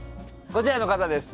こちらの方です。